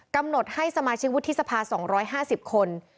กำหนดให้สมาชิกวุฒิสภา๒๕๐คน